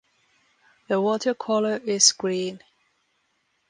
The water color is green.